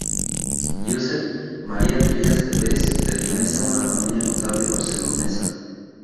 Josep Maria Trias de Bes pertenece a una familia notable barcelonesa.